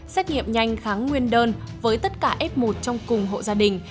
xét nghiệm nhanh kháng nguyên đơn với tất cả f một trong cùng hộ gia đình